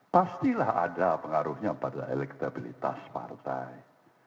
pastilah ada pengaruhnya pada elektabilitas partai